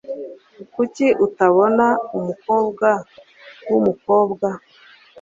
Kuki utabona umukobwa wumukobwa?